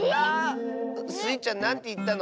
⁉スイちゃんなんていったの？